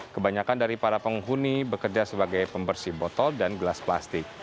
kebanyakan dari para penghuni bekerja sebagai pembersih botol dan gelas plastik